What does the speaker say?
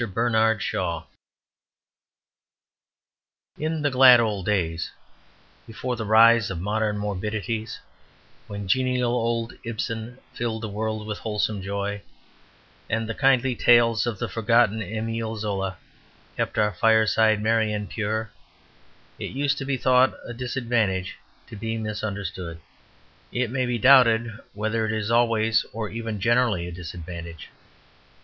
Bernard Shaw In the glad old days, before the rise of modern morbidities, when genial old Ibsen filled the world with wholesome joy, and the kindly tales of the forgotten Emile Zola kept our firesides merry and pure, it used to be thought a disadvantage to be misunderstood. It may be doubted whether it is always or even generally a disadvantage.